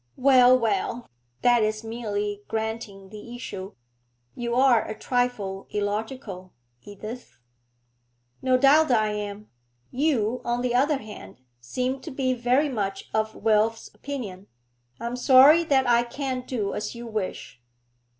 'Well, well, that is merely granting the issue; you are a trifle' illogical, Edith.' 'No doubt I am. You, on the other hand, seem to be very much of Wilf's opinion. I am sorry that I can't do as you wish.'